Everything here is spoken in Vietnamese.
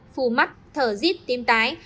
phù mắt thở dít tim tái